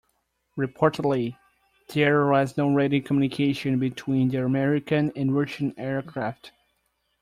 Reportedly, there was no radio communication between the American and Russian aircraft.